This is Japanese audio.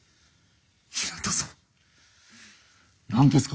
平田さん何ですか？